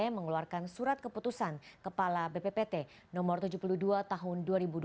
mengeluarkan surat keputusan kepala bppt no tujuh puluh dua tahun dua ribu dua puluh